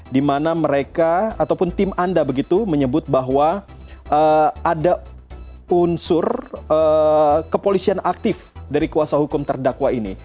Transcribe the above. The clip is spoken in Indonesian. di mana mereka ataupun tim anda begitu menyebut bahwa ada unsur kepolisian aktif dari kuasa hukum terdakwa ini